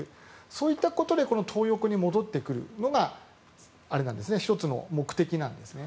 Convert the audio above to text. そういったことでこのトー横に戻ってくるのが１つの目的なんですね。